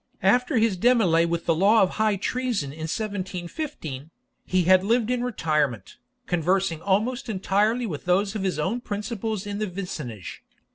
After his demele with the law of high treason in 1715, he had lived in retirement, conversing almost entirely with those of his own principles in the vicinage.